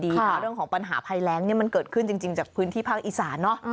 เรื่องของปัญหาภัยแรงเนี่ยมันเกิดขึ้นจริงจากพื้นที่ภาคอีสานเนอะ